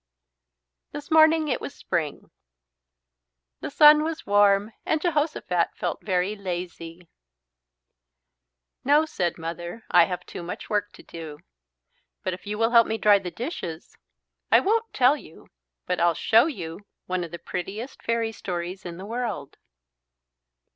This morning it was spring. The sun was warm and Jehosophat felt very lazy. "No," said Mother. "I have too much work to do. But if you will help me dry the dishes I won't tell you but I'll show you one of the prettiest fairy stories in the world."